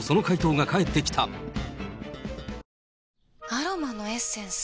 アロマのエッセンス？